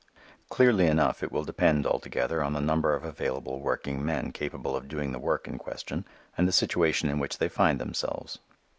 Clearly enough it will depend altogether on the number of available working men capable of doing the work in question and the situation in which they find themselves.